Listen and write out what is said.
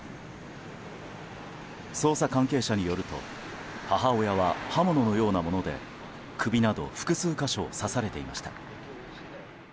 捜査関係者によると母親は刃物のようなもので首など複数箇所刺されていました。